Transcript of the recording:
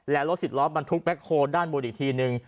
และรถสิบล้อบรรทุกแบ็คโฮลด้านบนอีกทีนึง